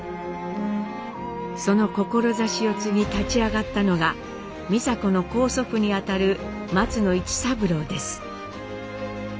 その志を継ぎ立ち上がったのが美佐子の高祖父にあたる松野市三郎です。